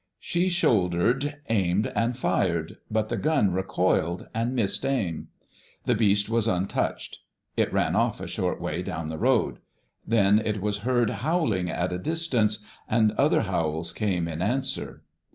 "She shouldered, aimed, and fired, but the gun recoiled and missed aim. The beast was untouched. It ran off a short way down the road. Then it was heard howling at a distance, and other howls came in answer.